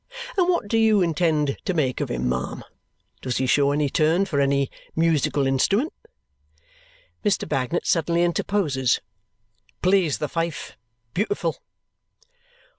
And what do you intend to make of him, ma'am? Does he show any turn for any musical instrument?" Mr. Bagnet suddenly interposes, "Plays the fife. Beautiful."